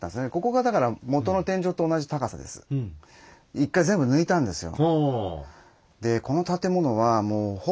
１回全部抜いたんですよ。